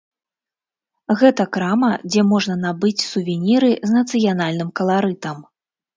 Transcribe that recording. Гэта крама, дзе можна набыць сувеніры з нацыянальным каларытам.